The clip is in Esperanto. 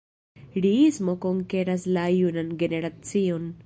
Riismo konkeras la junan generacion.